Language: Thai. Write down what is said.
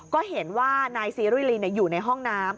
ก็เห็นว่านายซีรุยลีนอยู่ในห้องน้ำ